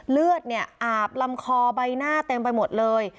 เลือดเนี่ยอาบลำคอใบหน้าเต็มไปหมดเลย